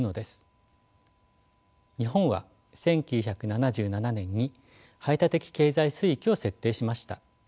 日本は１９７７年に排他的経済水域を設定しました。